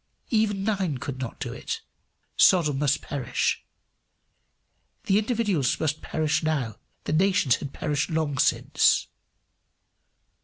Even nine could not do it: Sodom must perish. The individuals must perish now; the nation had perished long since.